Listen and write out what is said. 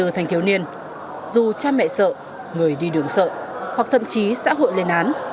hai mươi thanh thiếu niên dù cha mẹ sợ người đi đường sợ hoặc thậm chí xã hội lên án